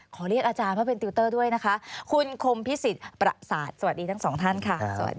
เรียกอาจารย์เพราะเป็นติวเตอร์ด้วยนะคะคุณคมพิสิทธิ์ประสาทสวัสดีทั้งสองท่านค่ะสวัสดี